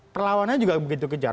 perlawanan juga begitu kejar